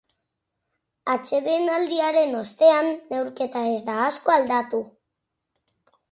Atsedenaldiaren ostean, neurketa ez da asko aldatu.